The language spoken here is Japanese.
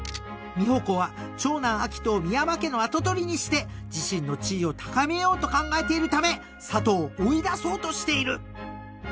［美保子は長男明人を深山家の跡取りにして自身の地位を高めようと考えているため佐都を追い出そうとしている］